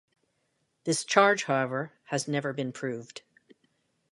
This charge, however, has never been proved.